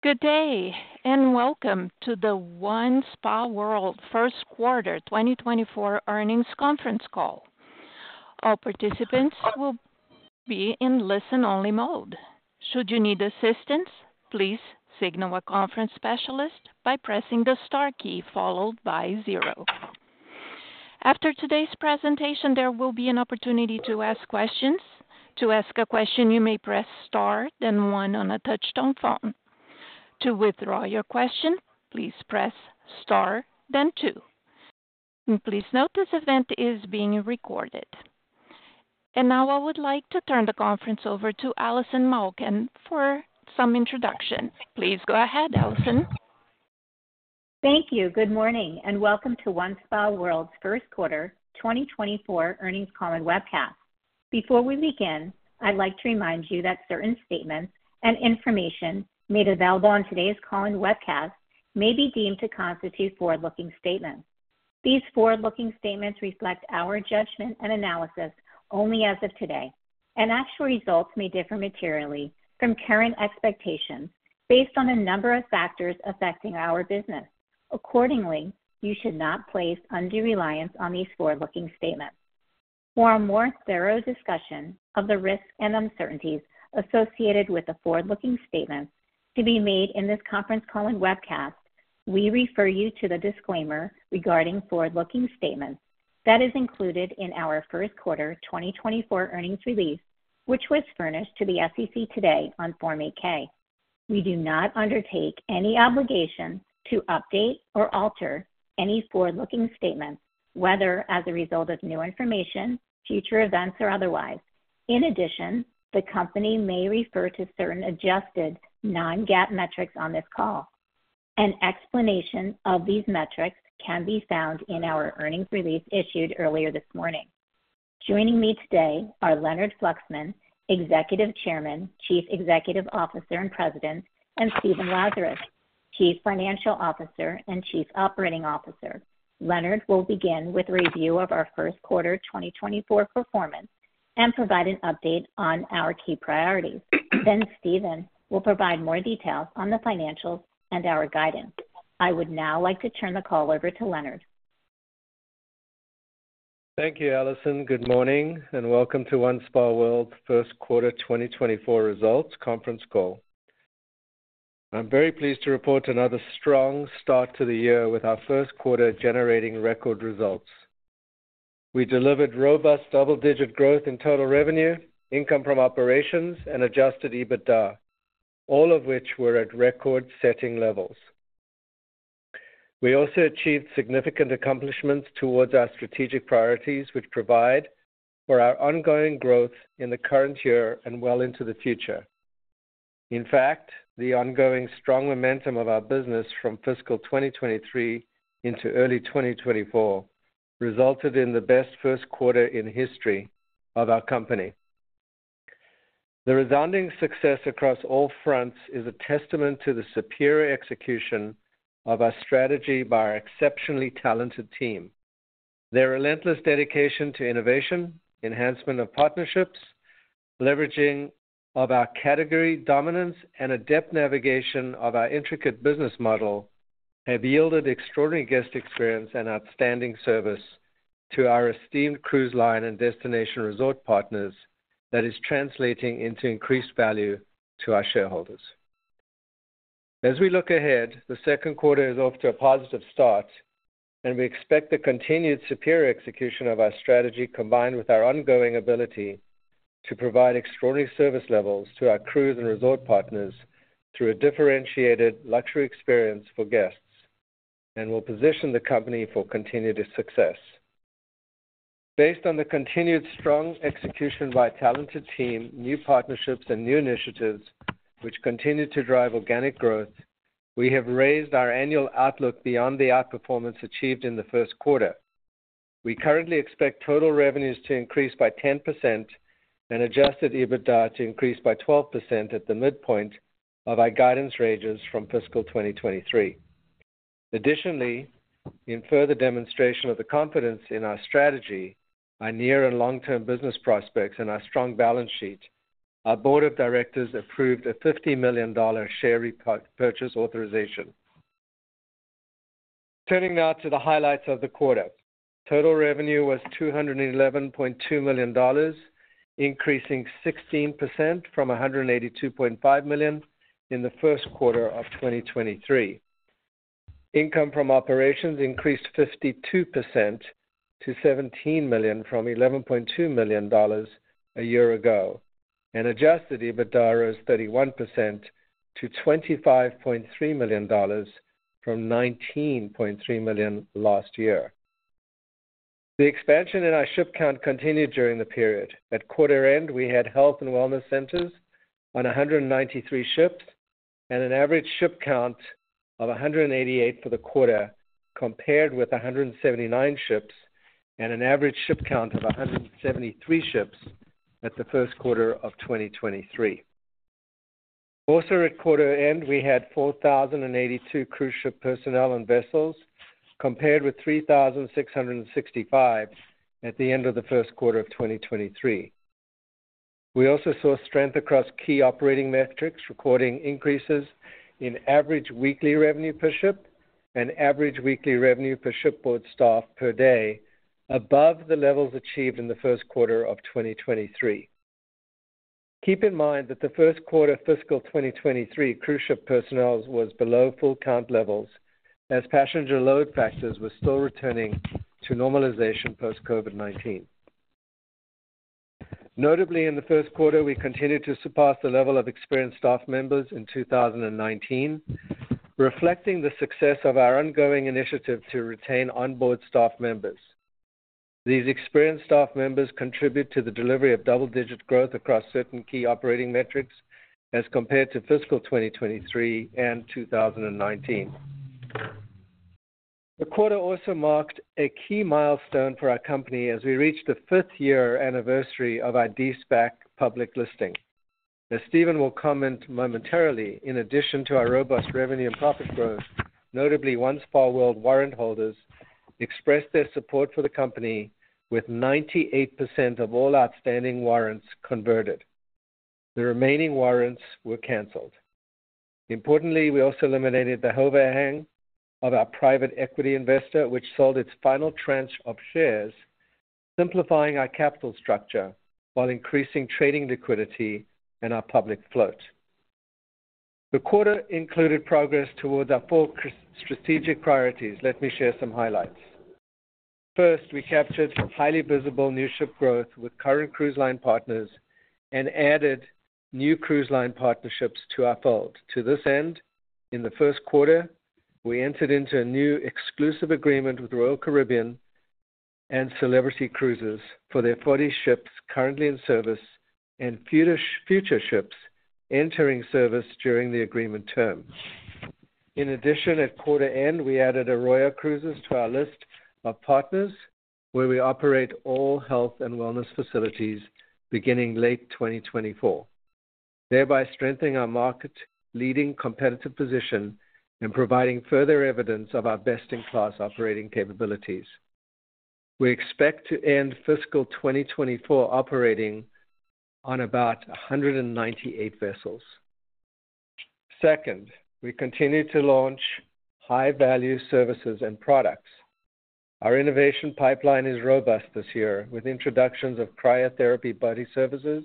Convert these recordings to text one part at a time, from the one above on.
Good day, and welcome to the OneSpaWorld First Quarter 2024 Earnings Conference Call. All participants will be in listen-only mode. Should you need assistance, please signal a conference specialist by pressing the star key, followed by zero. After today's presentation, there will be an opportunity to ask questions. To ask a question, you may press Star, then one on a touchtone phone. To withdraw your question, please press Star, then two. Please note, this event is being recorded. Now I would like to turn the conference over to Allison Malkin for some introduction. Please go ahead, Allison. Thank you. Good morning, and welcome to OneSpaWorld's first quarter 2024 Earnings Call and webcast. Before we begin, I'd like to remind you that certain statements and information made available on today's call and webcast may be deemed to constitute forward-looking statements. These forward-looking statements reflect our judgment and analysis only as of today, and actual results may differ materially from current expectations based on a number of factors affecting our business. Accordingly, you should not place undue reliance on these forward-looking statements. For a more thorough discussion of the risks and uncertainties associated with the forward-looking statements to be made in this conference call and webcast, we refer you to the disclaimer regarding forward-looking statements that is included in our first quarter 2024 earnings release, which was furnished to the SEC today on Form 8-K. We do not undertake any obligation to update or alter any forward-looking statements, whether as a result of new information, future events, or otherwise. In addition, the company may refer to certain adjusted non-GAAP metrics on this call. An explanation of these metrics can be found in our earnings release issued earlier this morning. Joining me today are Leonard Fluxman, Executive Chairman, Chief Executive Officer, and President, and Stephen Lazarus, Chief Financial Officer and Chief Operating Officer. Leonard will begin with a review of our first quarter 2024 performance and provide an update on our key priorities. Then Stephen will provide more details on the financials and our guidance. I would now like to turn the call over to Leonard. Thank you, Allison. Good morning, and welcome to OneSpaWorld first quarter 2024 results conference call. I'm very pleased to report another strong start to the year with our first quarter generating record results. We delivered robust double-digit growth in total revenue, income from operations, and Adjusted EBITDA, all of which were at record-setting levels. We also achieved significant accomplishments towards our strategic priorities, which provide for our ongoing growth in the current year and well into the future. In fact, the ongoing strong momentum of our business from fiscal 2023 into early 2024 resulted in the best first quarter in history of our company. The resounding success across all fronts is a testament to the superior execution of our strategy by our exceptionally talented team Their relentless dedication to innovation, enhancement of partnerships, leveraging of our category dominance, and adept navigation of our intricate business model have yielded extraordinary guest experience and outstanding service to our esteemed cruise line and destination resort partners that is translating into increased value to our shareholders. As we look ahead, the second quarter is off to a positive start, and we expect the continued superior execution of our strategy, combined with our ongoing ability to provide extraordinary service levels to our cruise and resort partners through a differentiated luxury experience for guests, and will position the company for continued success. Based on the continued strong execution by a talented team, new partnerships and new initiatives, which continue to drive organic growth, we have raised our annual outlook beyond the outperformance achieved in the first quarter. We currently expect total revenues to increase by 10% and Adjusted EBITDA to increase by 12% at the midpoint of our guidance ranges from fiscal 2023. Additionally, in further demonstration of the confidence in our strategy, our near and long-term business prospects, and our strong balance sheet, our board of directors approved a $50 million share repurchase authorization. Turning now to the highlights of the quarter. Total revenue was $211.2 million, increasing 16% from $182.5 million in the first quarter of 2023. Income from operations increased 52% to $17 million from $11.2 million a year ago, and Adjusted EBITDA rose 31% to $25.3 million from $19.3 million last year. The expansion in our ship count continued during the period. At quarter end, we had health and wellness centers on 193 ships and an average ship count of 188 for the quarter, compared with 179 ships and an average ship count of 173 ships at the first quarter of 2023. Also, at quarter end, we had 4,082 cruise ship personnel and vessels, compared with 3,665 at the end of the first quarter of 2023. We also saw strength across key operating metrics, recording increases in average weekly revenue per ship and average weekly revenue per shipboard staff per day, above the levels achieved in the first quarter of 2023. Keep in mind that the first quarter fiscal 2023 cruise ship personnel was below full count levels, as passenger load factors were still returning to normalization post COVID-19. Notably, in the first quarter, we continued to surpass the level of experienced staff members in 2019, reflecting the success of our ongoing initiative to retain onboard staff members. These experienced staff members contribute to the delivery of double-digit growth across certain key operating metrics as compared to fiscal 2023 and 2019. The quarter also marked a key milestone for our company as we reached the fifth year anniversary of our De-SPAC public listing. As Stephen will comment momentarily, in addition to our robust revenue and profit growth, notably, once OneSpaWorld warrant holders expressed their support for the company, with 98% of all outstanding warrants converted. The remaining warrants were canceled. Importantly, we also eliminated the overhang of our private equity investor, which sold its final tranche of shares, simplifying our capital structure while increasing trading liquidity in our public float. The quarter included progress towards our four strategic priorities. Let me share some highlights. First, we captured highly visible new ship growth with current cruise line partners and added new cruise line partnerships to our fold. To this end, in the first quarter, we entered into a new exclusive agreement with Royal Caribbean and Celebrity Cruises for their 40 ships currently in service and future ships entering service during the agreement term. In addition, at quarter end, we added Aroya Cruises to our list of partners, where we operate all health and wellness facilities beginning late 2024, thereby strengthening our market-leading competitive position and providing further evidence of our best-in-class operating capabilities. We expect to end fiscal 2024 operating on about 198 vessels. Second, we continue to launch high-value services and products. Our innovation pipeline is robust this year, with introductions of cryotherapy body services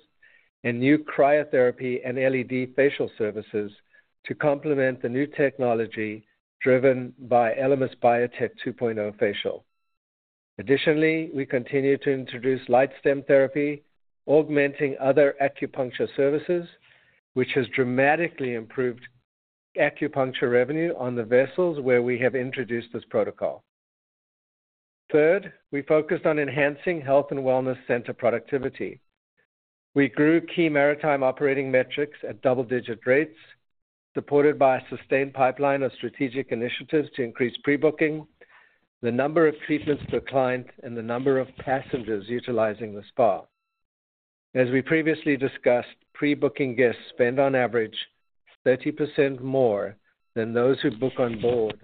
and new cryotherapy and LED facial services to complement the new technology driven by Elemis BIOTEC 2.0 facial. Additionally, we continue to introduce LightStim therapy, augmenting other acupuncture services, which has dramatically improved acupuncture revenue on the vessels where we have introduced this protocol. Third, we focused on enhancing health and wellness center productivity. We grew key maritime operating metrics at double-digit rates, supported by a sustained pipeline of strategic initiatives to increase pre-booking, the number of treatments per client, and the number of passengers utilizing the spa. As we previously discussed, pre-booking guests spend on average 30% more than those who book on board,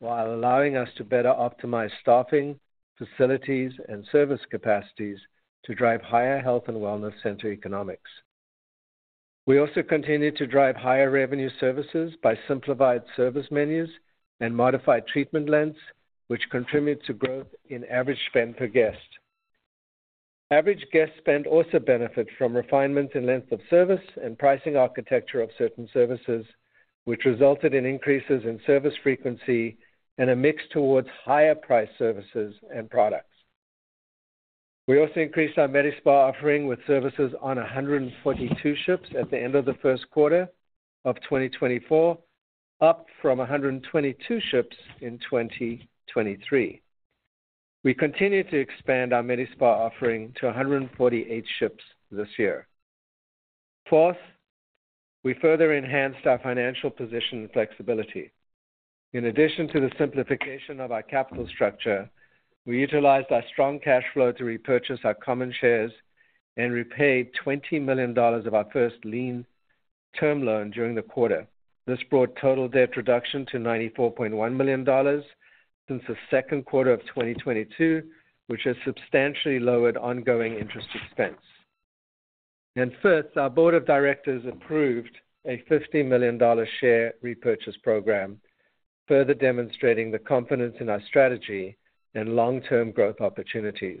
while allowing us to better optimize staffing, facilities, and service capacities to drive higher health and wellness center economics. We also continued to drive higher revenue services by simplified service menus and modified treatment lengths, which contribute to growth in average spend per guest. Average guest spend also benefit from refinement in length of service and pricing architecture of certain services, which resulted in increases in service frequency and a mix towards higher-priced services and products. We also increased our Medi-Spa offering with services on 142 ships at the end of the first quarter of 2024, up from 122 ships in 2023. We continue to expand our Medi-Spa offering to 148 ships this year. Fourth, we further enhanced our financial position and flexibility. In addition to the simplification of our capital structure, we utilized our strong cash flow to repurchase our common shares and repay $20 million of our first lien term loan during the quarter. This brought total debt reduction to $94.1 million since the second quarter of 2022, which has substantially lowered ongoing interest expense. And fifth, our board of directors approved a $50 million share repurchase program, further demonstrating the confidence in our strategy and long-term growth opportunities.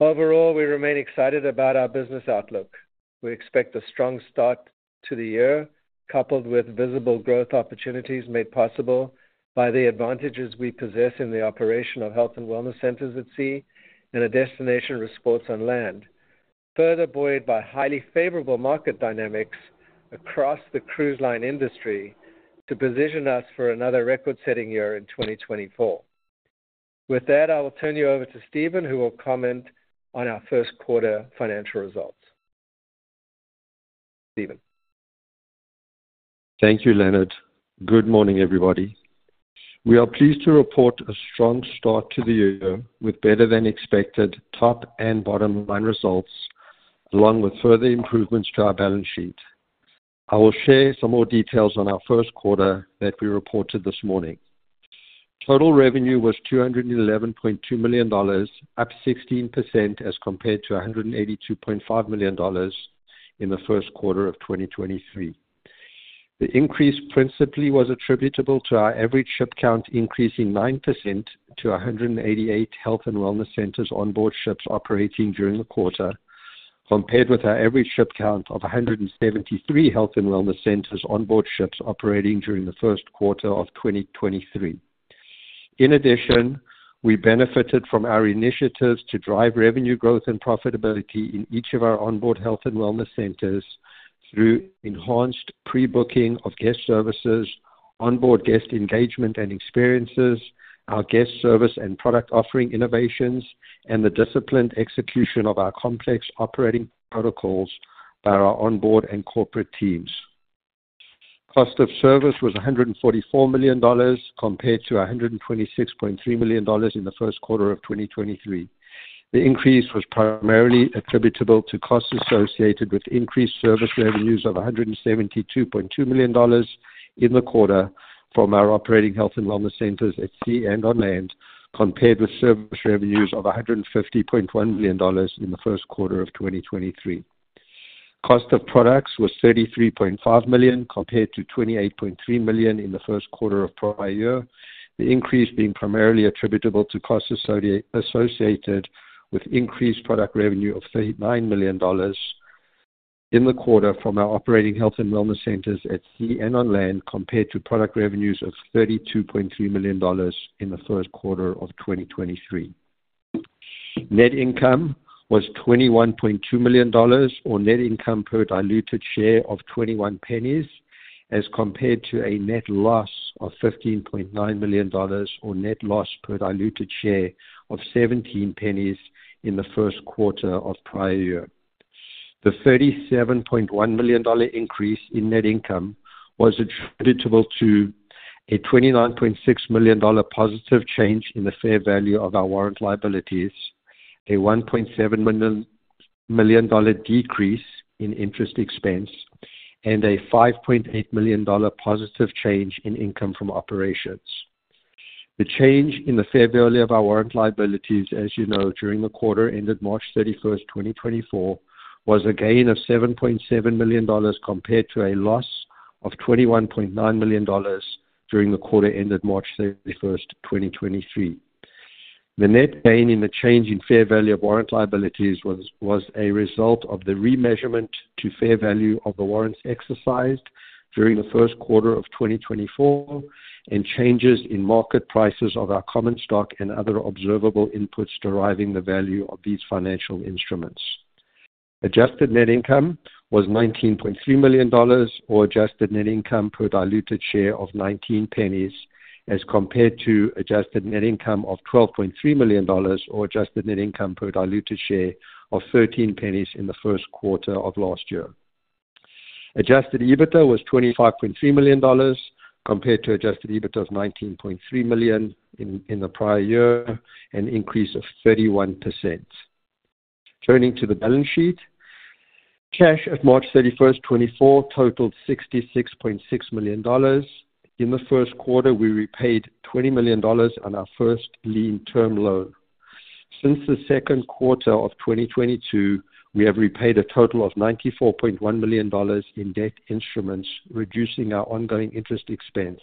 Overall, we remain excited about our business outlook. We expect a strong start to the year, coupled with visible growth opportunities made possible by the advantages we possess in the operation of health and wellness centers at sea and a destination with sports on land, further buoyed by highly favorable market dynamics across the cruise line industry to position us for another record-setting year in 2024. With that, I will turn you over to Stephen, who will comment on our first quarter financial results. Stephen? Thank you, Leonard. Good morning, everybody. We are pleased to report a strong start to the year with better-than-expected top and bottom line results, along with further improvements to our balance sheet. I will share some more details on our first quarter that we reported this morning. Total revenue was $211.2 million, up 16% as compared to $182.5 million in the first quarter of 2023. The increase principally was attributable to our average ship count increasing 9% to 188 health and wellness centers on board ships operating during the quarter, compared with our average ship count of 173 health and wellness centers on board ships operating during the first quarter of 2023. In addition, we benefited from our initiatives to drive revenue growth and profitability in each of our onboard health and wellness centers through enhanced pre-booking of guest services, onboard guest engagement and experiences, our guest service and product offering innovations, and the disciplined execution of our complex operating protocols by our onboard and corporate teams. Cost of service was $144 million, compared to $126.3 million in the first quarter of 2023. The increase was primarily attributable to costs associated with increased service revenues of $172.2 million in the quarter from our operating health and wellness centers at sea and on land, compared with service revenues of $150.1 million in the first quarter of 2023. Cost of products was $33.5 million, compared to $28.3 million in the first quarter of prior year. The increase being primarily attributable to costs associated with increased product revenue of $39 million in the quarter from our operating health and wellness centers at sea and on land, compared to product revenues of $32.3 million in the first quarter of 2023. Net income was $21.2 million, or net income per diluted share of $0.21, as compared to a net loss of $15.9 million, or net loss per diluted share of $0.17 in the first quarter of prior year. The $37.1 million increase in net income was attributable to a $29.6 million positive change in the fair value of our warrant liabilities, a $1.7 million decrease in interest expense, and a $5.8 million positive change in income from operations. The change in the fair value of our warrant liabilities, as you know, during the quarter ended 31/032024, was a gain of $7.7 million, compared to a loss of $21.9 million during the quarter ended 31/03/2023. The net gain in the change in fair value of warrant liabilities was a result of the remeasurement to fair value of the warrants exercised during the first quarter of 2024, and changes in market prices of our common stock and other observable inputs deriving the value of these financial instruments. Adjusted net income was $19.3 million, or adjusted net income per diluted share of $0.19, as compared to adjusted net income of $12.3 million, or adjusted net income per diluted share of $0.13 in the first quarter of last year. Adjusted EBITDA was $25.3 million, compared to adjusted EBITDA of $19.3 million in the prior year, an increase of 31%. Turning to the balance sheet. Cash at 31/03/2024, totaled $66.6 million. In the first quarter, we repaid $20 million on our first lien term loan. Since the second quarter of 2022, we have repaid a total of $94.1 million in debt instruments, reducing our ongoing interest expense.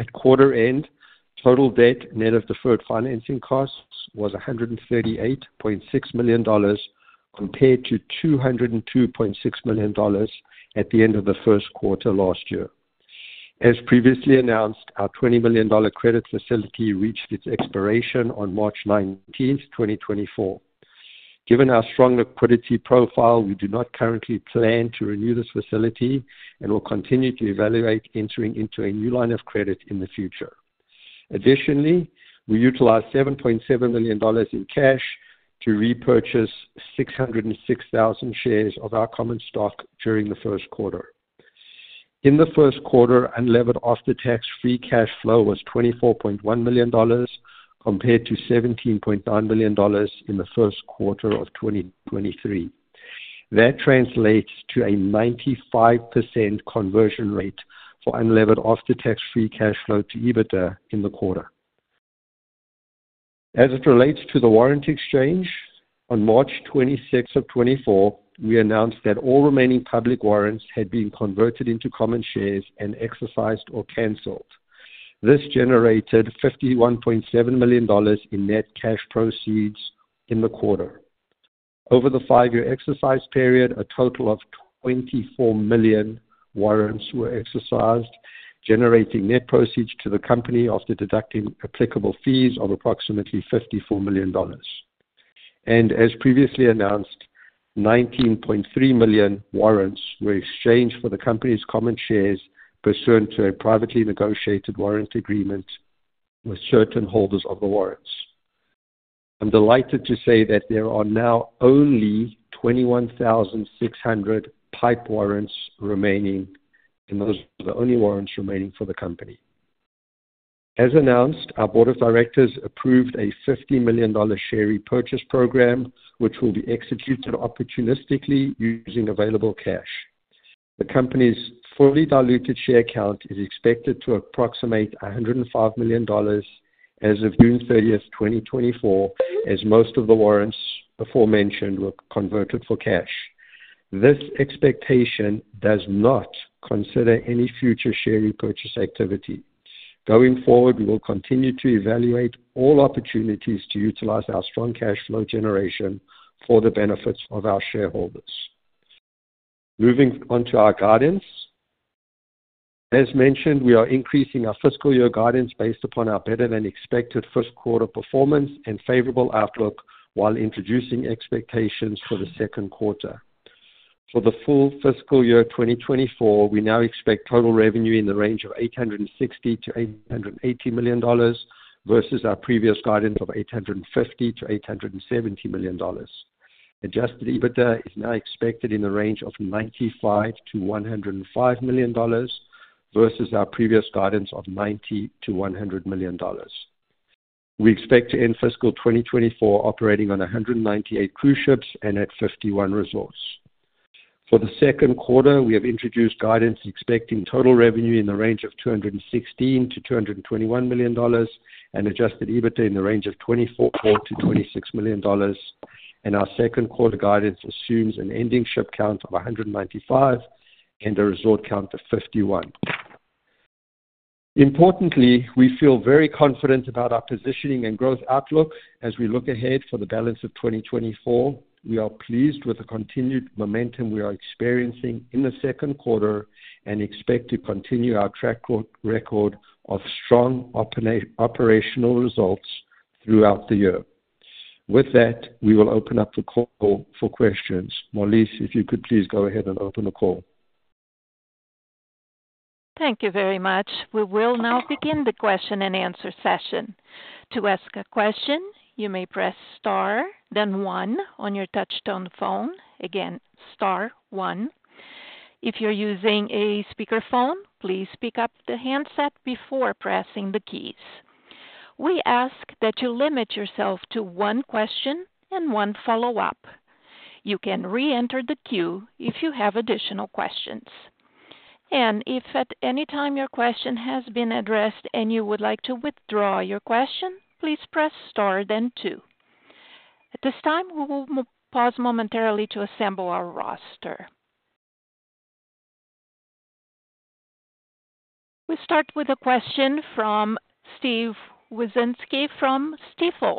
At quarter end, total debt, net of deferred financing costs, was $138.6 million, compared to $202.6 million at the end of the first quarter last year. As previously announced, our $20 million credit facility reached its expiration on 19/03/2024. Given our strong liquidity profile, we do not currently plan to renew this facility and will continue to evaluate entering into a new line of credit in the future. Additionally, we utilized $7.7 million in cash to repurchase 606,000 shares of our common stock during the first quarter. In the first quarter, unlevered after-tax Free Cash Flow was $24.1 million, compared to $17.9 million in the first quarter of 2023. That translates to a 95% conversion rate for unlevered after-tax Free Cash Flow to EBITDA in the quarter. As it relates to the warrant exchange, on 26/03/2024, we announced that all remaining public warrants had been converted into common shares and exercised or canceled. This generated $51.7 million in net cash proceeds in the quarter. Over the five-year exercise period, a total of 24 million warrants were exercised, generating net proceeds to the company after deducting applicable fees of approximately $54 million. As previously announced, 19.3 million warrants were exchanged for the company's common shares, pursuant to a privately negotiated warrant agreement with certain holders of the warrants. I'm delighted to say that there are now only 21,600 PIPE warrants remaining, and those are the only warrants remaining for the company. As announced, our board of directors approved a $50 million share repurchase program, which will be executed opportunistically using available cash. The company's fully diluted share count is expected to approximate $105 million as of 30/06/2024, as most of the warrants aforementioned were converted for cash. This expectation does not consider any future share repurchase activity. Going forward, we will continue to evaluate all opportunities to utilize our strong cash flow generation for the benefits of our shareholders. Moving on to our guidance. As mentioned, we are increasing our fiscal year guidance based upon our better-than-expected first quarter performance and favorable outlook, while introducing expectations for the second quarter. For the full fiscal year 2024, we now expect total revenue in the range of $860 million-$880 million versus our previous guidance of $850 million-$870 million. Adjusted EBITDA is now expected in the range of $95 million-$105 million versus our previous guidance of $90 million-$100 million. We expect to end fiscal 2024 operating on 198 cruise ships and at 51 resorts. For the second quarter, we have introduced guidance expecting total revenue in the range of $216 million-$221 million and Adjusted EBITDA in the range of $24 million-$26 million, and our second quarter guidance assumes an ending ship count of 195 and a resort count of 51. Importantly, we feel very confident about our positioning and growth outlook as we look ahead for the balance of 2024. We are pleased with the continued momentum we are experiencing in the second quarter and expect to continue our track record of strong operational results throughout the year. With that, we will open up the call for questions. Molise, if you could please go ahead and open the call. Thank you very much. We will now begin the question-and-answer session. To ask a question, you may press star, then one on your touchtone phone. Again, star one. If you're using a speakerphone, please pick up the handset before pressing the keys. We ask that you limit yourself to one question and one follow-up. You can reenter the queue if you have additional questions. If at any time your question has been addressed and you would like to withdraw your question, please press star, then two. At this time, we will pause momentarily to assemble our roster. We start with a question from Steven Wieczynski from Stifel.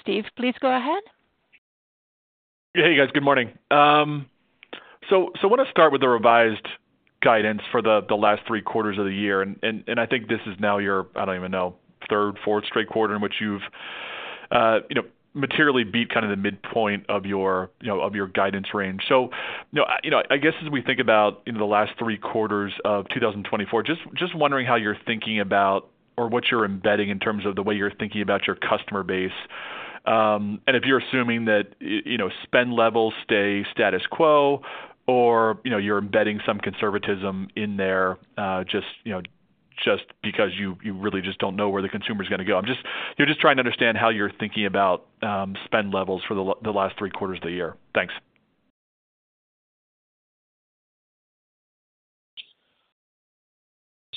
Steve, please go ahead. Hey, guys. Good morning. So I want to start with the revised guidance for the last three quarters of the year. And I think this is now your, I don't even know, third, fourth straight quarter in which you've, you know, materially beat kind of the midpoint of your, you know, of your guidance range. So, you know, I, you know, I guess as we think about the last three quarters of 2024, just wondering how you're thinking about or what you're embedding in terms of the way you're thinking about your customer base, and if you're assuming that, you know, spend levels stay status quo or, you know, you're embedding some conservatism in there, just, you know, just because you really just don't know where the consumer is gonna go. I'm just... You're just trying to understand how you're thinking about spend levels for the last three quarters of the year. Thanks.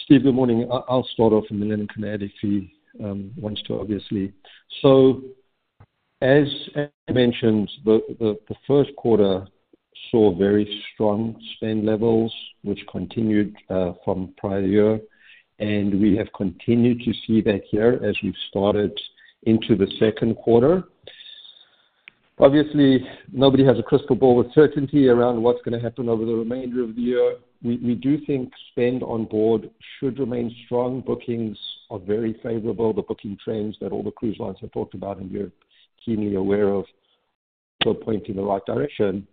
Steve, good morning. I'll start off, and then Leonard can add if he wants to obviously. So, as mentioned, the first quarter saw very strong spend levels, which continued from prior year, and we have continued to see that here as we've started into the second quarter. Obviously, nobody has a crystal ball with certainty around what's gonna happen over the remainder of the year. We do think spend on board should remain strong. Bookings are very favorable. The booking trends that all the cruise lines have talked about, and you're keenly aware of, so pointing in the right direction.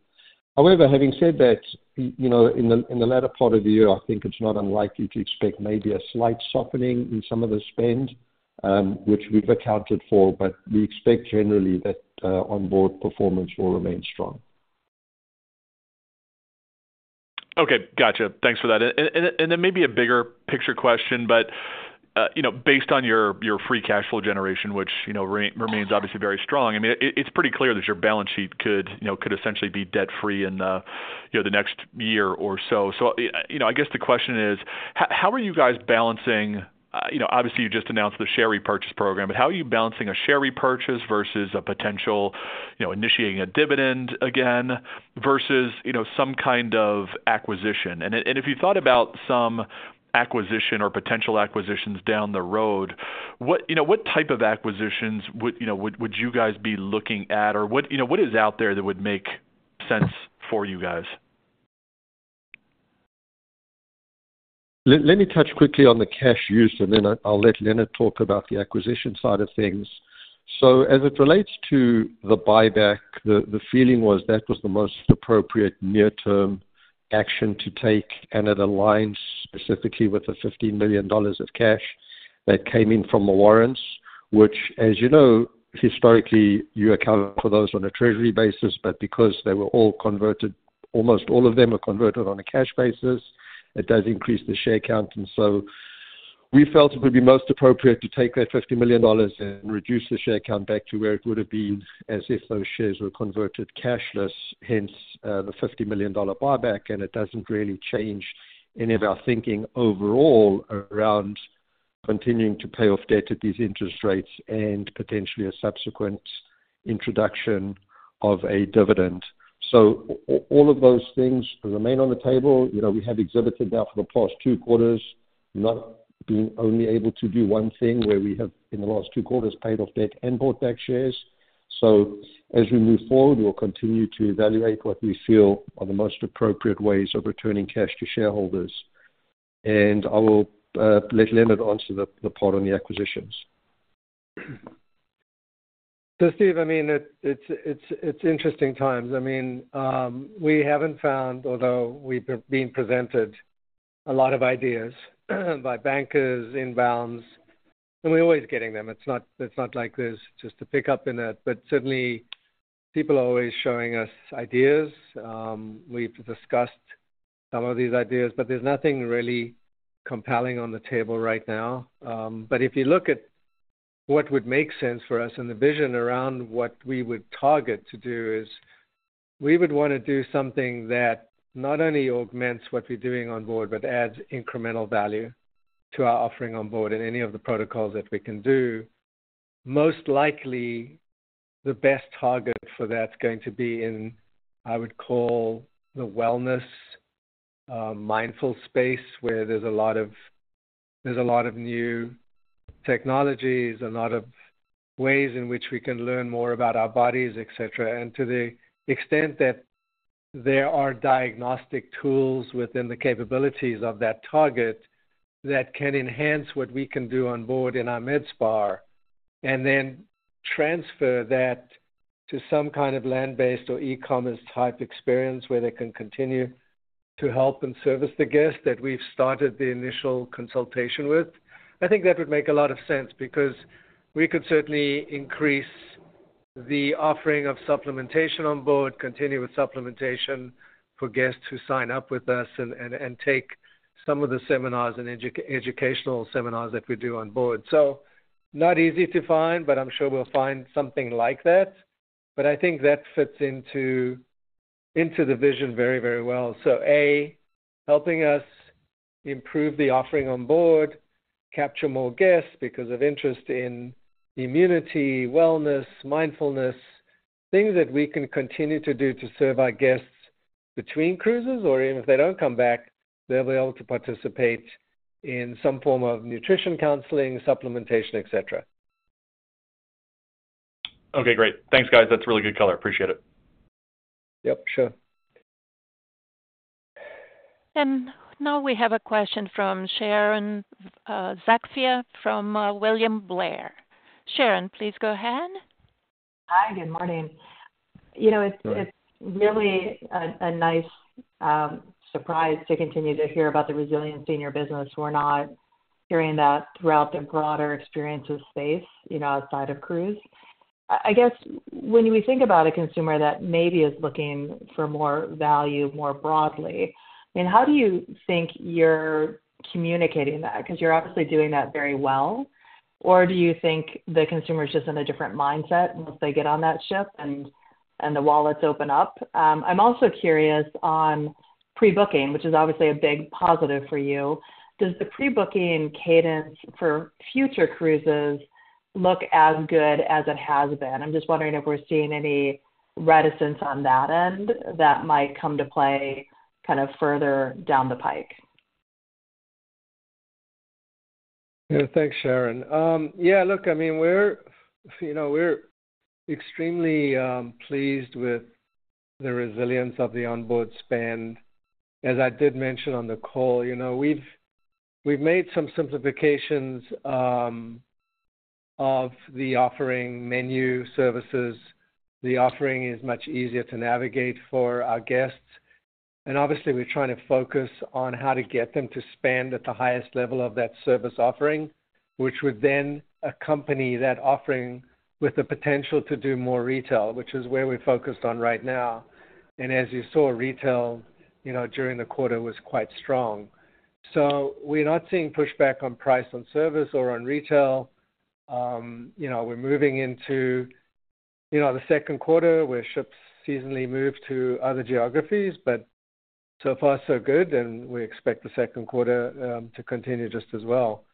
However, having said that, you know, in the latter part of the year, I think it's not unlikely to expect maybe a slight softening in some of the spend, which we've accounted for, but we expect generally that on board performance will remain strong. Okay, gotcha. Thanks for that. Then maybe a bigger picture question, but, you know, based on your Free Cash Flow generation, which, you know, remains obviously very strong, I mean, it's pretty clear that your balance sheet could, you know, essentially be debt free in the, you know, the next year or so. So, you know, I guess the question is: How are you guys balancing, you know, obviously you just announced the share repurchase program, but how are you balancing a share repurchase versus a potential, you know, initiating a dividend again, versus, you know, some kind of acquisition? If you thought about some acquisition or potential acquisitions down the road, what, you know, what type of acquisitions would, you know, would you guys be looking at, or what, you know, what is out there that would make sense for you guys? Let me touch quickly on the cash use, and then I'll let Leonard talk about the acquisition side of things. So as it relates to the buyback, the feeling was that was the most appropriate near-term action to take, and it aligns specifically with the $15 million of cash that came in from the warrants, which, as you know, historically, you account for those on a treasury basis, but because they were all converted, almost all of them are converted on a cash basis, it does increase the share count, and so. We felt it would be most appropriate to take that $50 million and reduce the share count back to where it would have been, as if those shares were converted cashless, hence, the $50 million buyback. It doesn't really change any of our thinking overall around continuing to pay off debt at these interest rates and potentially a subsequent introduction of a dividend. All of those things remain on the table. You know, we have exhibited now for the past two quarters, not being only able to do one thing where we have, in the last two quarters, paid off debt and bought back shares. As we move forward, we'll continue to evaluate what we feel are the most appropriate ways of returning cash to shareholders. I will let Leonard answer the part on the acquisitions. So, Steve, I mean, it's interesting times. I mean, we haven't found, although we've been presented a lot of ideas by bankers, inbounds, and we're always getting them. It's not like there's just a pickup in that. But certainly, people are always showing us ideas. We've discussed some of these ideas, but there's nothing really compelling on the table right now. But if you look at what would make sense for us and the vision around what we would target to do is, we would wanna do something that not only augments what we're doing on board, but adds incremental value to our offering on board in any of the protocols that we can do. Most likely, the best target for that is going to be in, I would call, the wellness, mindful space, where there's a lot of, there's a lot of new technologies, a lot of ways in which we can learn more about our bodies, et cetera. And to the extent that there are diagnostic tools within the capabilities of that target, that can enhance what we can do on board in our med spa, and then transfer that to some kind of land-based or e-commerce type experience, where they can continue to help and service the guests that we've started the initial consultation with. I think that would make a lot of sense, because we could certainly increase the offering of supplementation on board, continue with supplementation for guests who sign up with us and take some of the seminars and educational seminars that we do on board. So not easy to find, but I'm sure we'll find something like that. But I think that fits into the vision very, very well. So, a, helping us improve the offering on board, capture more guests because of interest in immunity, wellness, mindfulness, things that we can continue to do to serve our guests between cruises, or even if they don't come back, they'll be able to participate in some form of nutrition counseling, supplementation, et cetera. Okay, great. Thanks, guys. That's really good color. Appreciate it. Yep, sure. Now we have a question from Sharon Zackfia from William Blair. Sharon, please go ahead. Hi, good morning. You know, it's- Good morning... it's really a nice surprise to continue to hear about the resilience in your business. We're not hearing that throughout the broader experience of space, you know, outside of cruise. I guess when we think about a consumer that maybe is looking for more value, more broadly, I mean, how do you think you're communicating that? Because you're obviously doing that very well. Or do you think the consumer is just in a different mindset once they get on that ship and the wallets open up? I'm also curious on pre-booking, which is obviously a big positive for you. Does the pre-booking cadence for future cruises look as good as it has been? I'm just wondering if we're seeing any reticence on that end that might come to play kind of further down the pike. Yeah. Thanks, Sharon. Yeah, look, I mean, we're, you know, we're extremely pleased with the resilience of the onboard spend. As I did mention on the call, you know, we've made some simplifications of the offering menu services. The offering is much easier to navigate for our guests, and obviously, we're trying to focus on how to get them to spend at the highest level of that service offering, which would then accompany that offering with the potential to do more retail, which is where we're focused on right now. And as you saw, retail, you know, during the quarter, was quite strong. So we're not seeing pushback on price, on service, or on retail. You know, we're moving into, you know, the second quarter, where ships seasonally move to other geographies, but so far, so good, and we expect the second quarter to continue just as well.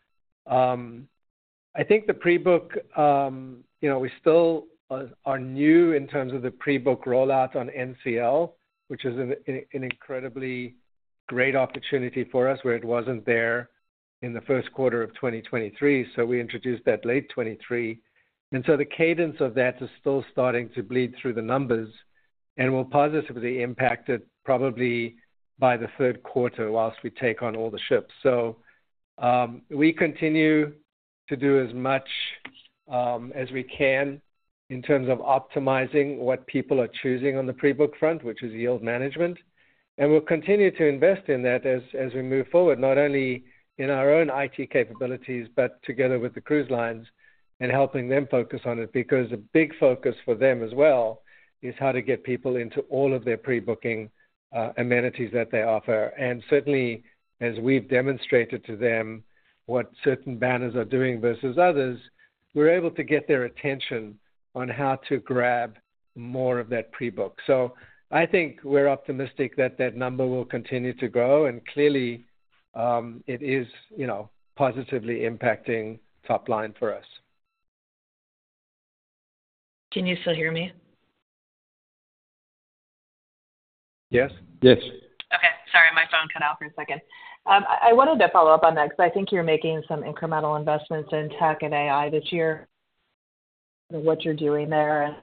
I think the pre-book, you know, we still are new in terms of the pre-book rollout on NCL, which is an incredibly great opportunity for us, where it wasn't there in the first quarter of 2023. So we introduced that late 2023. And so the cadence of that is still starting to bleed through the numbers, and will positively impact it probably by the third quarter, whilst we take on all the ships. So, we continue to do as much, as we can in terms of optimizing what people are choosing on the pre-book front, which is yield management. And we'll continue to invest in that as we move forward, not only in our own IT capabilities, but together with the cruise lines and helping them focus on it. Because a big focus for them as well is how to get people into all of their pre-booking amenities that they offer. And certainly, as we've demonstrated to them, what certain banners are doing versus others, we're able to get their attention on how to grab more of that pre-book. So I think we're optimistic that that number will continue to grow, and clearly it is, you know, positively impacting top line for us. Can you still hear me? Yes. Yes. Okay, sorry, my phone cut out for a second. I wanted to follow up on that because I think you're making some incremental investments in tech and AI this year, and what you're doing there, and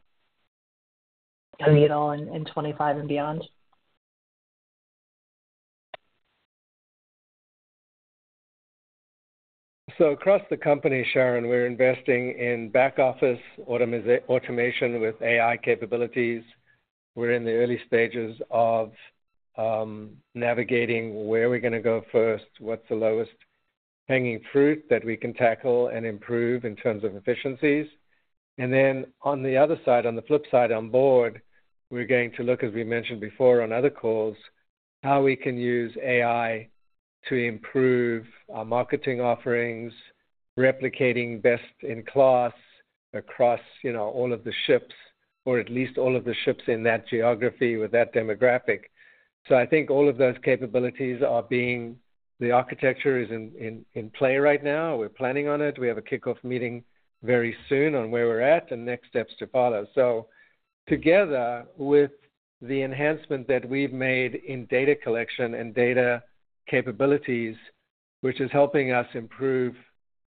how you know, in 25 and beyond. So across the company, Sharon, we're investing in back office automation with AI capabilities. We're in the early stages of navigating where are we gonna go first, what's the lowest hanging fruit that we can tackle and improve in terms of efficiencies. And then on the other side, on the flip side, on board, we're going to look, as we mentioned before on other calls, how we can use AI to improve our marketing offerings, replicating best in class across, you know, all of the ships, or at least all of the ships in that geography with that demographic. So I think all of those capabilities are being. The architecture is in play right now. We're planning on it. We have a kickoff meeting very soon on where we're at and next steps to follow. Together with the enhancement that we've made in data collection and data capabilities, which is helping us improve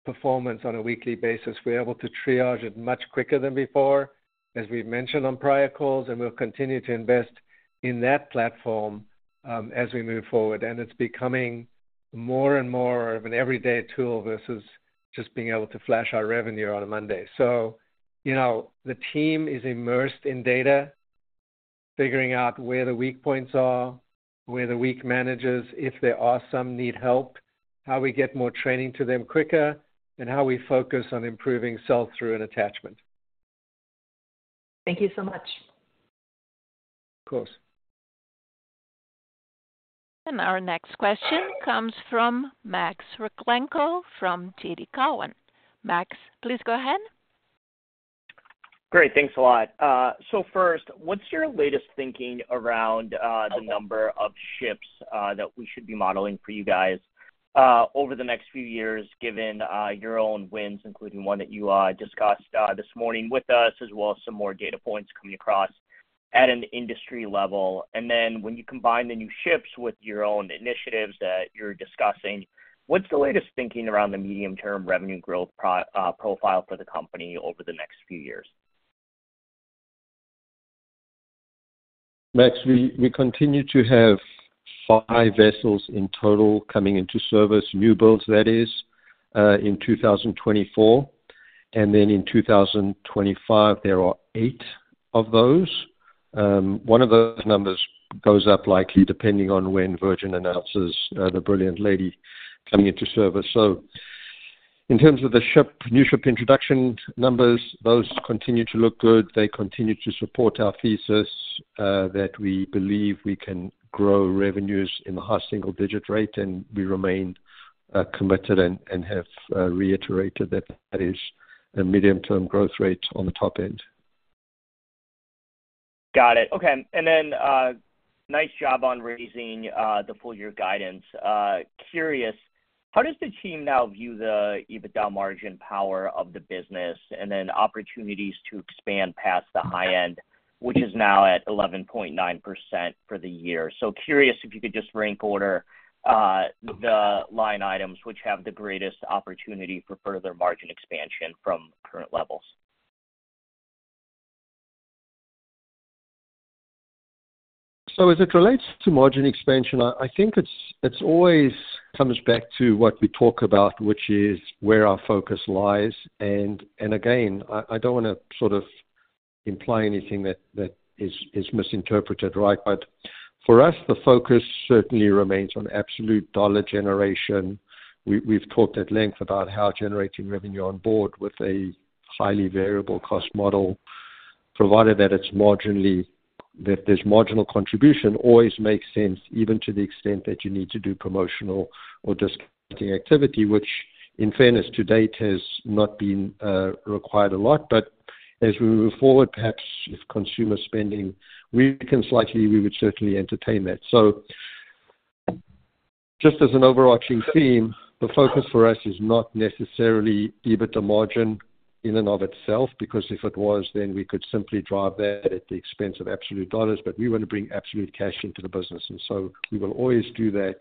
performance on a weekly basis, we're able to triage it much quicker than before, as we've mentioned on prior calls, and we'll continue to invest in that platform, as we move forward. It's becoming more and more of an everyday tool versus just being able to flash our revenue on a Monday. You know, the team is immersed in data, figuring out where the weak points are, where the weak managers, if there are some, need help, how we get more training to them quicker, and how we focus on improving sell-through and attachment. Thank you so much. Of course. Our next question comes from Max Rakhlenko from TD Cowen. Max, please go ahead. Great. Thanks a lot. So first, what's your latest thinking around the number of ships that we should be modeling for you guys over the next few years, given your own wins, including one that you discussed this morning with us, as well as some more data points coming across at an industry level? And then when you combine the new ships with your own initiatives that you're discussing, what's the latest thinking around the medium-term revenue growth profile for the company over the next few years? Max, we continue to have five vessels in total coming into service, new builds, that is, in 2024. And then in 2025, there are eight of those. One of those numbers goes up likely, depending on when Virgin announces, the Brilliant Lady coming into service. So in terms of the ship, new ship introduction numbers, those continue to look good. They continue to support our thesis, that we believe we can grow revenues in the high single digit rate, and we remain, committed and have, reiterated that that is a medium-term growth rate on the top end. Got it. Okay. Then, nice job on raising the full year guidance. Curious, how does the team now view the EBITDA margin power of the business, and then opportunities to expand past the high end, which is now at 11.9% for the year? So curious if you could just rank order the line items which have the greatest opportunity for further margin expansion from current levels. So as it relates to margin expansion, I, I think it's, it's always comes back to what we talk about, which is where our focus lies, and, and again, I, I don't wanna sort of imply anything that, that is, is misinterpreted, right? But for us, the focus certainly remains on absolute dollar generation. We, we've talked at length about how generating revenue on board with a highly variable cost model, provided that it's marginally, that there's marginal contribution, always makes sense, even to the extent that you need to do promotional or discounting activity, which in fairness to date, has not been required a lot. But as we move forward, perhaps if consumer spending weakens slightly, we would certainly entertain that. So just as an overarching theme, the focus for us is not necessarily EBITDA margin in and of itself, because if it was, then we could simply drive that at the expense of absolute dollars, but we want to bring absolute cash into the business, and so we will always do that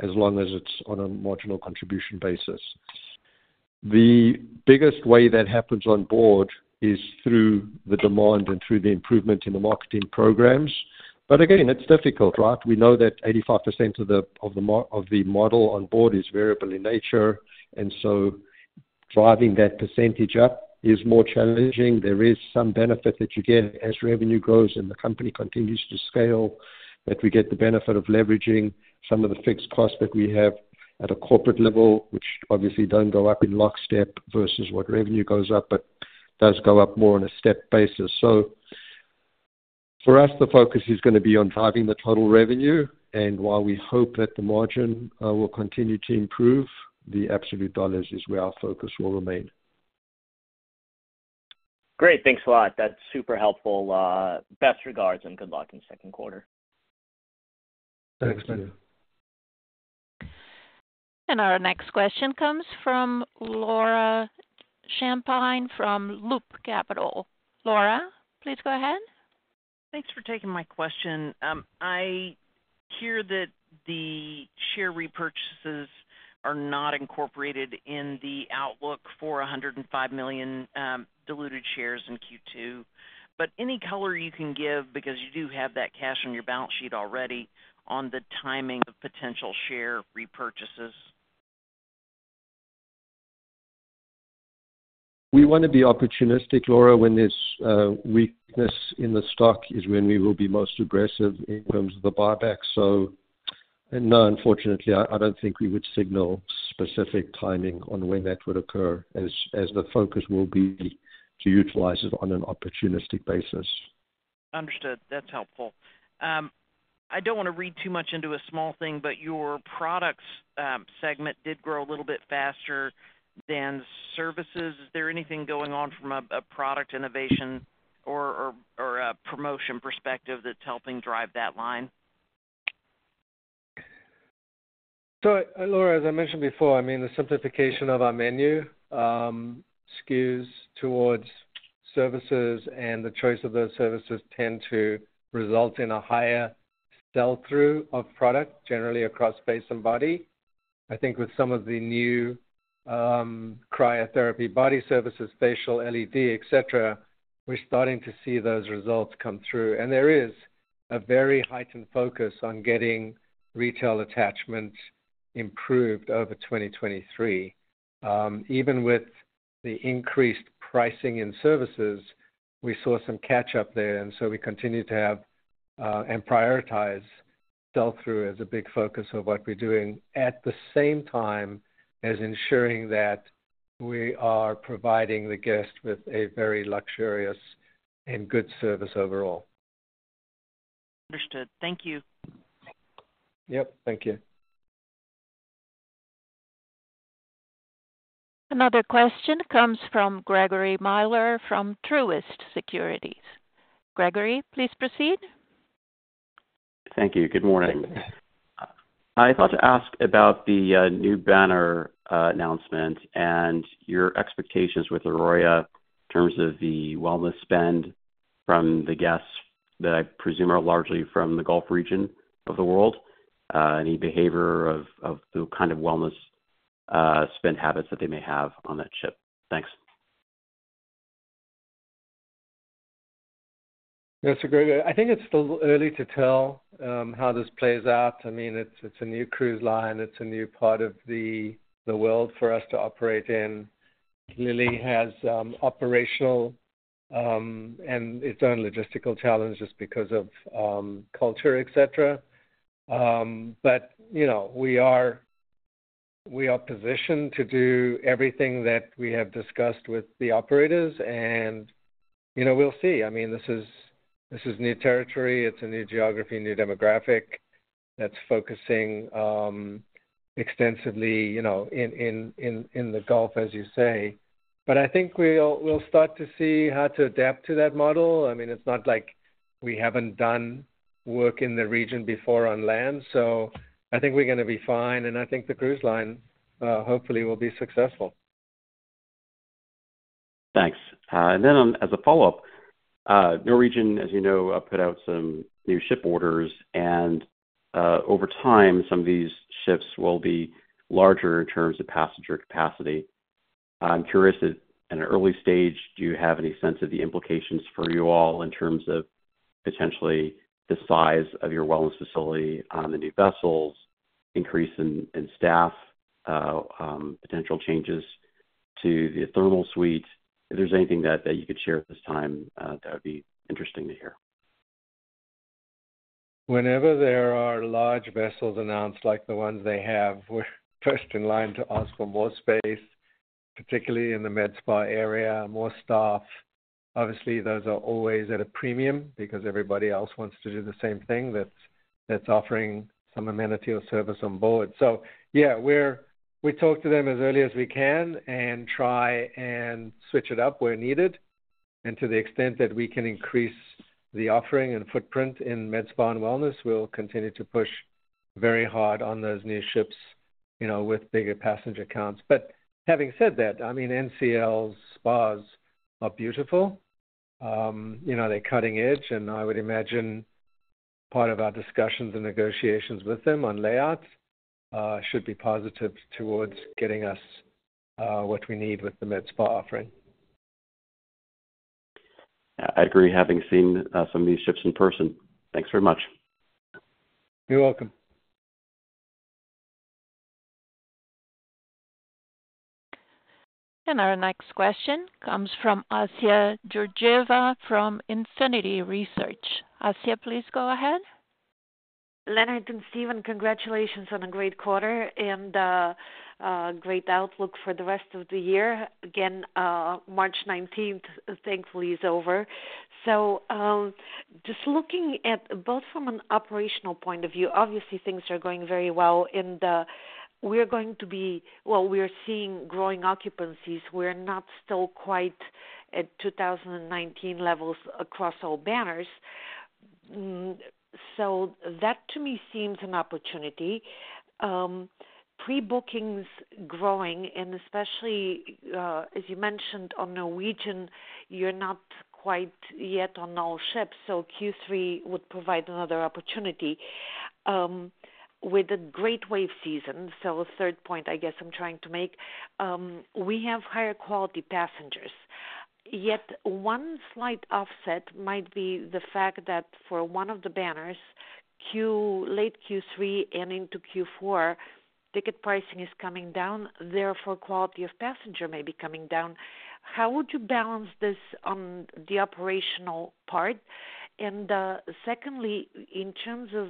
as long as it's on a marginal contribution basis. The biggest way that happens on board is through the demand and through the improvement in the marketing programs. But again, it's difficult, right? We know that 85% of the model on board is variable in nature, and so driving that percentage up is more challenging. There is some benefit that you get as revenue grows and the company continues to scale, that we get the benefit of leveraging some of the fixed costs that we have at a corporate level, which obviously don't go up in lockstep versus what revenue goes up, but does go up more on a step basis. So for us, the focus is gonna be on driving the total revenue, and while we hope that the margin will continue to improve, the absolute dollars is where our focus will remain.... Great. Thanks a lot. That's super helpful. Best regards, and good luck in the second quarter. Thanks, Daniel. Our next question comes from Laura Champine from Loop Capital. Laura, please go ahead. Thanks for taking my question. I hear that the share repurchases are not incorporated in the outlook for 105 million diluted shares in Q2. But any color you can give, because you do have that cash on your balance sheet already, on the timing of potential share repurchases? We want to be opportunistic, Laura. When there's weakness in the stock is when we will be most aggressive in terms of the buyback. So, and no, unfortunately, I don't think we would signal specific timing on when that would occur, as the focus will be to utilize it on an opportunistic basis. Understood. That's helpful. I don't want to read too much into a small thing, but your products segment did grow a little bit faster than services. Is there anything going on from a product innovation or a promotion perspective that's helping drive that line? So, Laura, as I mentioned before, I mean, the simplification of our menu skews towards services, and the choice of those services tend to result in a higher sell-through of product, generally across face and body. I think with some of the new cryotherapy, body services, facial, LED, et cetera, we're starting to see those results come through. And there is a very heightened focus on getting retail attachments improved over 2023. Even with the increased pricing in services, we saw some catch up there, and so we continue to have and prioritize sell-through as a big focus of what we're doing, at the same time as ensuring that we are providing the guest with a very luxurious and good service overall. Understood. Thank you. Yep, thank you. Another question comes from Gregory Miller from Truist Securities. Gregory, please proceed. Thank you. Good morning. I thought to ask about the new partner announcement and your expectations with Aroya in terms of the wellness spend from the guests that I presume are largely from the Gulf region of the world. Any behavior of the kind of wellness spend habits that they may have on that ship? Thanks. Yes, so Gregory, I think it's still early to tell how this plays out. I mean, it's a new cruise line. It's a new part of the world for us to operate in. Clearly has operational and its own logistical challenges because of culture, et cetera. But, you know, we are positioned to do everything that we have discussed with the operators, and, you know, we'll see. I mean, this is new territory. It's a new geography, new demographic that's focusing extensively, you know, in the Gulf, as you say. But I think we'll start to see how to adapt to that model. I mean, it's not like we haven't done work in the region before on land, so I think we're gonna be fine, and I think the cruise line, hopefully will be successful. Thanks. And then on, as a follow-up, Norwegian, as you know, put out some new ship orders, and, over time, some of these ships will be larger in terms of passenger capacity. I'm curious, at an early stage, do you have any sense of the implications for you all in terms of potentially the size of your wellness facility on the new vessels, increase in staff, potential changes to the Thermal Suite? If there's anything that you could share at this time, that would be interesting to hear. Whenever there are large vessels announced, like the ones they have, we're first in line to ask for more space, particularly in the Medi-Spa area, more staff. Obviously, those are always at a premium because everybody else wants to do the same thing that's, that's offering some amenity or service on board. So yeah, we're, we talk to them as early as we can and try and switch it up where needed. And to the extent that we can increase the offering and footprint in Medi-Spa and wellness, we'll continue to push very hard on those new ships, you know, with bigger passenger counts. But having said that, I mean, NCL's spas are beautiful. You know, they're cutting edge, and I would imagine part of our discussions and negotiations with them on layouts should be positive towards getting us what we need with the Medi-Spa offering. I agree, having seen some of these ships in person. Thanks very much. You're welcome. Our next question comes from Assia Georgieva, from Infinity Research. Assia, please go ahead. Leonard and Stephen, congratulations on a great quarter and great outlook for the rest of the year. Again, March nineteenth, thankfully, is over. So, just looking at both from an operational point of view, obviously things are going very well. We are seeing growing occupancies. We're not still quite at 2019 levels across all banners. So that, to me, seems an opportunity. Pre-bookings growing, and especially, as you mentioned, on Norwegian, you're not quite yet on all ships, so Q3 would provide another opportunity. With a great wave season, so a third point I guess I'm trying to make, we have higher quality passengers. Yet one slight offset might be the fact that for one of the banners, Q3, late Q3 and into Q4, ticket pricing is coming down, therefore, quality of passenger may be coming down. How would you balance this on the operational part? And, secondly, in terms of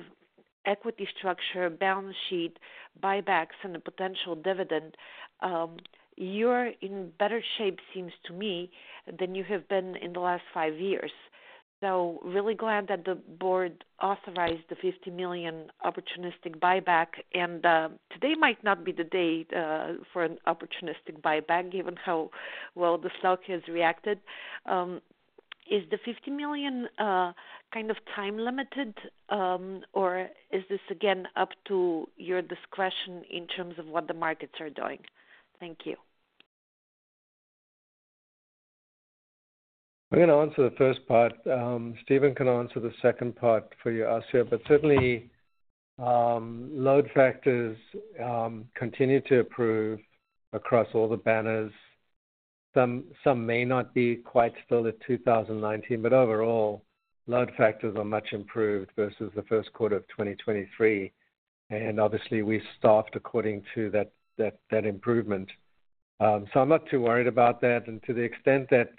equity structure, balance sheet, buybacks, and the potential dividend, you're in better shape, seems to me, than you have been in the last five years. So really glad that the board authorized the $50 million opportunistic buyback, and, today might not be the day, for an opportunistic buyback, given how well the stock has reacted. Is the $50 million kind of time-limited, or is this again, up to your discretion in terms of what the markets are doing? Thank you. I'm gonna answer the first part. Stephen can answer the second part for you, Assia. But certainly, load factors continue to improve across all the banners. Some may not be quite still at 2019, but overall, load factors are much improved versus the first quarter of 2023, and obviously, we staffed according to that improvement. So I'm not too worried about that. And to the extent that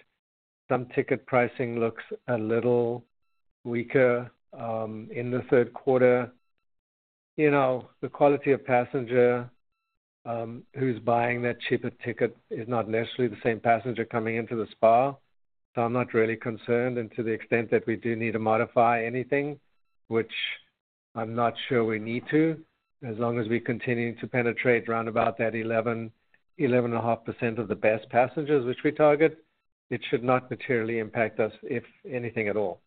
some ticket pricing looks a little weaker in the third quarter, you know, the quality of passenger who's buying that cheaper ticket is not necessarily the same passenger coming into the spa, so I'm not really concerned. To the extent that we do need to modify anything, which I'm not sure we need to, as long as we continue to penetrate around about that 11%-11.5% of the best passengers, which we target, it should not materially impact us, if anything at all.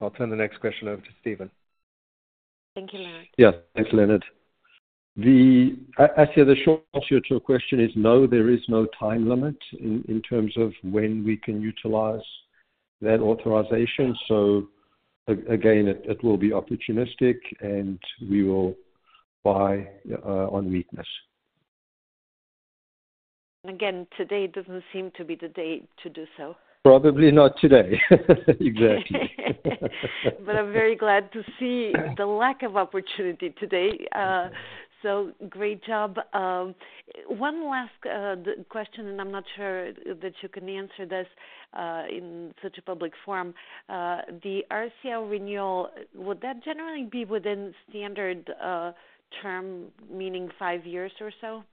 I'll turn the next question over to Stephen. Thank you, Leonard. Yeah. Thanks, Leonard. Assia, the short answer to your question is no, there is no time limit in terms of when we can utilize that authorization. So again, it will be opportunistic, and we will buy on weakness. Again, today doesn't seem to be the day to do so. Probably not today. Exactly. But I'm very glad to see the lack of opportunity today. So great job. One last question, and I'm not sure that you can answer this in such a public forum. The RCL renewal, would that generally be within standard term, meaning five years or so?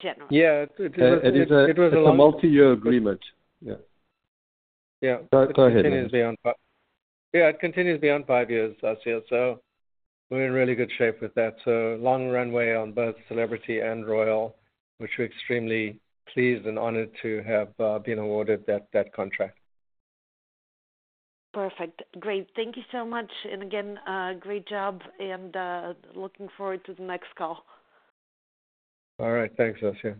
Generally. Yeah, it was- It is a multiyear agreement. Yeah. Yeah. Go, go ahead. Continues beyond five... Yeah, it continues beyond five years, Assia, so we're in really good shape with that. So long runway on both Celebrity and Royal, which we're extremely pleased and honored to have been awarded that contract. Perfect. Great. Thank you so much, and again, great job, and, looking forward to the next call. All right. Thanks, Assia.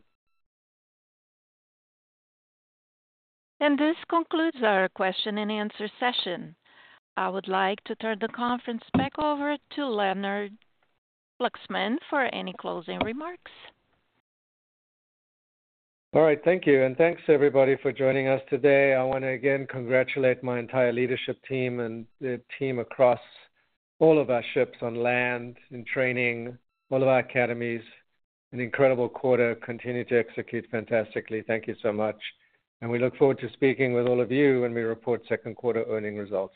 This concludes our question-and-answer session. I would like to turn the conference back over to Leonard Fluxman for any closing remarks. All right. Thank you, and thanks, everybody, for joining us today. I wanna, again, congratulate my entire leadership team and the team across all of our ships on land, in training, all of our academies. An incredible quarter. Continue to execute fantastically. Thank you so much, and we look forward to speaking with all of you when we report second quarter earnings results.